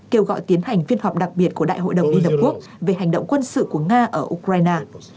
kêu gọi tiến hành phiên họp đặc biệt của đại hội đồng liên hợp quốc về hành động quân sự của nga ở ukraine